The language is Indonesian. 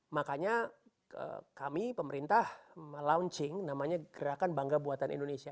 makanya kami pemerintah melaunching namanya gerakan bangga buatan indonesia